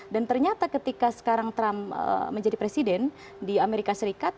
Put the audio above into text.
dan ternyata ketika sekarang trump menjadi presiden di amerika serikat